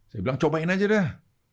saya bilang cobain aja deh